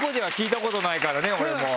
俺も。